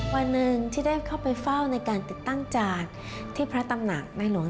วันหนึ่งที่ได้เข้าไปเฝ้าในการติดตั้งจากที่พระตำหนักในหลวง